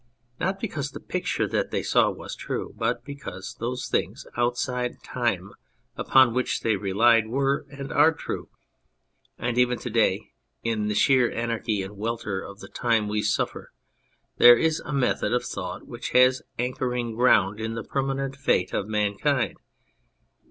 Not because the picture that they saw was true, but because those things outside time upon which they relied were and are true. And even to day in the sheer anarchy and welter of the time we suffer there is a method of thought which has anchoring ground in the permanent fate of mankind.